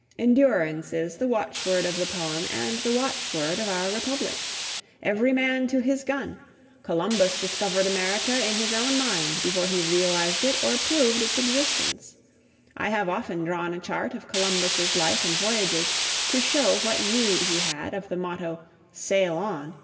Endurance is the watchword of the poem and the watchword of our republic. Every man to his gun! Columbus discovered America in his own mind before he realised it or proved its existence. I have often drawn a chart of Columbus's life and voyages to show what need he had of the motto "Sail On!"